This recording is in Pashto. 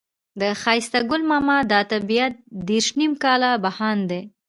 د ښایسته ګل ماما دا طبيعت دېرش نيم کاله بهاند دی.